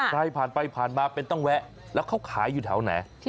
ใครผ่านไปผ่านมาเป็นต้องแวะแล้วเขาขายอยู่แถวไหน